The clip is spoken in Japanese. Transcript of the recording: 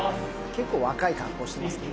結構若い格好してますね